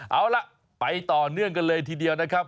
เอาล่ะไปต่อเนื่องกันเลยทีเดียวนะครับ